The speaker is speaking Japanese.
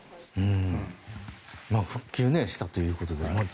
復旧したということで。